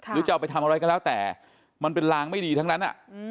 หรือจะเอาไปทำอะไรก็แล้วแต่มันเป็นลางไม่ดีทั้งนั้น